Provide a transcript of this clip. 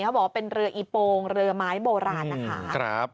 เขาบอกว่าเป็นเรืออีโปงเรือไม้โบราณนะคะ